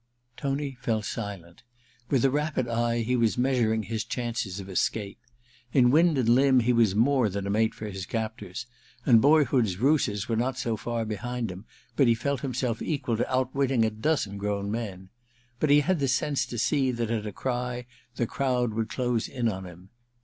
Tony fell silent. With a rapid eye he was measuring his chances of escape. In wind and limb he was more than a mate for his captors, and boyhood's ruses were not so far behind him but he felt himself equal to outwitting a dozen grown men ; but he had the sense to see that at a cry the crowd would close in on him.